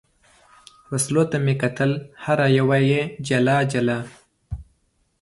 وسلو ته مې کتل، هره یوه یې جلا جلا.